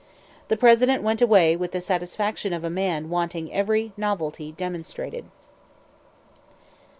The President went away with the satisfaction of a man wanting every novelty demonstrated.